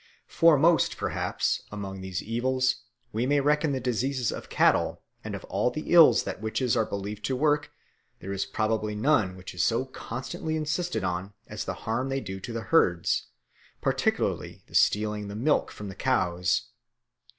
Foremost, perhaps, among these evils we may reckon the diseases of cattle; and of all the ills that witches are believed to work there is probably none which is so constantly insisted on as the harm they do to the herds, particularly by stealing the milk from the cows.